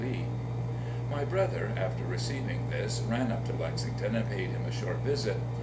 Lee." My brother, after receiving this, ran up to Lexington and paid him a short visit.